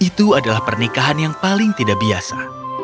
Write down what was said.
itu adalah pernikahan yang paling tidak biasa